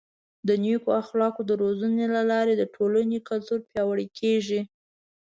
د نیکو اخلاقو د روزنې له لارې د ټولنې کلتور پیاوړی کیږي.